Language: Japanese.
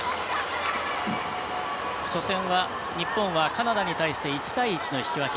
初戦は日本はカナダに対して１対１の引き分け。